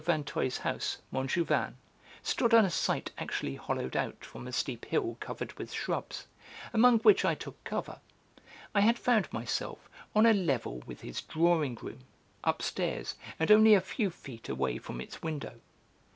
Vinteuil's house, Montjouvain, stood on a site actually hollowed out from a steep hill covered with shrubs, among which I took cover, I had found myself on a level with his drawing room, upstairs, and only a few feet away from its window.